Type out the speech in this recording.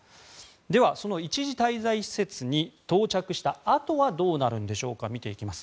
では、その一時滞在施設に到着したあとはどうなるんでしょうか見ていきます。